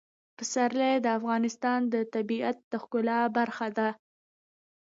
پسرلی د افغانستان د طبیعت د ښکلا برخه ده.